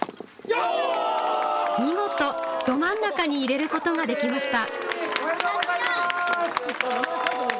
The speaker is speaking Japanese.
見事、ど真ん中に入れることができました。